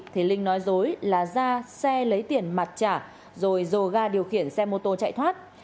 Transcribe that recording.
thì linh nói dối là ra xe lấy tiền mặt trả rồi dồ ga điều khiển xe mô tô chạy thoát